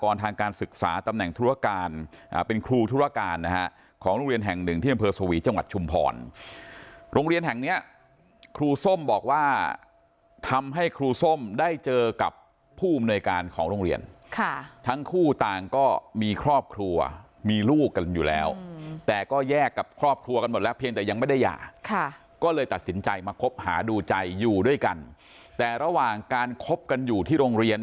ธุรการนะฮะของโรงเรียนแห่งหนึ่งที่อำเภอสวีจังหวัดชุมพรโรงเรียนแห่งเนี้ยครูส้มบอกว่าทำให้ครูส้มได้เจอกับผู้อำนวยการของโรงเรียนค่ะทั้งคู่ต่างก็มีครอบครัวมีลูกกันอยู่แล้วแต่ก็แยกกับครอบครัวกันหมดแล้วเพียงแต่ยังไม่ได้หย่าก็เลยตัดสินใจมาคบหาดูใจอยู่ด้วยกันแต่ระหว่างการคบกันอยู่ที่โรงเรียน